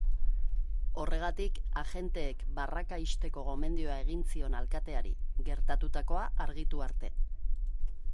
Horregatik, agenteek barraka ixteko gomendioa egin zion alkateari, gertatutakoa argitu arte.